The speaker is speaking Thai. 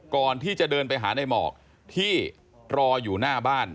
ก่อนที่จะเดินไปหาในหมอกที่รออยู่หน้าบ้าน